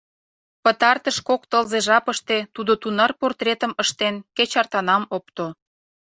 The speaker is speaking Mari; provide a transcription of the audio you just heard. Пытартыш кок тылзе жапыште тудо тунар портретым ыштен — кеч артанам опто.